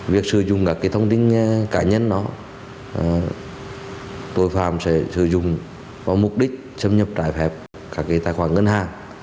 việc sử dụng các cái thông tin cá nhân đó tội phạm sẽ sử dụng có mục đích xâm nhập trái phép các cái tài khoản ngân hàng